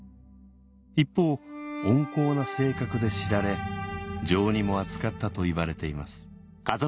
一方温厚な性格で知られ情にも厚かったといわれています